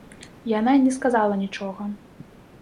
Яна і не сказала нічога.